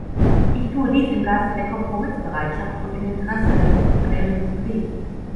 Ich tue dies im Geiste der Kompromissbereitschaft und im Interesse der Zukunft der Industrie.